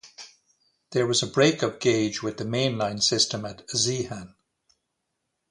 There was a break-of-gauge with the mainline system at Zeehan.